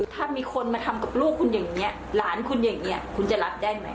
ถ้ามีคนมาทำกับลูกคุณอย่างนี้หลานคุณอย่างนี้คุณจะรับได้ไหม